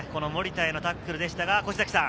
森田へのタックルでしたが。